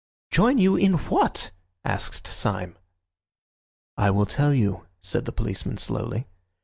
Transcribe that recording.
"Join you in what?" asked Syme. "I will tell you," said the policeman slowly.